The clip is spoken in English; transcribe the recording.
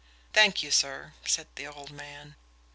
"Thank you, sir," said the old man.